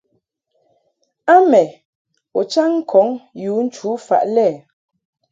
A mɛ u chaŋ ŋkɔŋ yu nchu faʼ lɛ.